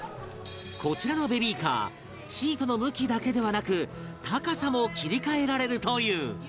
こちらのベビーカーシートの向きだけではなく高さも切り替えられるという